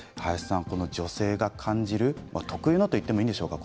女性が感じる特有のと言ってもいいでしょうか